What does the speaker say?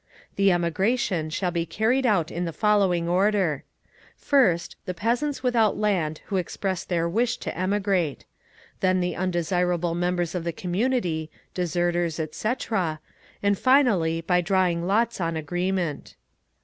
The emigration shall be carried out in the following order: first, the peasants without land who express their wish to emigrate; then the undesirable members of the community, deserters, etc., and finally, by drawing lots on agreement.